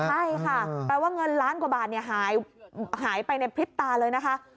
ใช่ค่ะแปลว่าเงินล้านกว่าบาทหายไปในพริบตาเลยนะคะ